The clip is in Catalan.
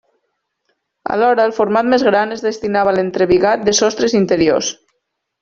Alhora, el format més gran es destinava a l'entrebigat de sostres interiors.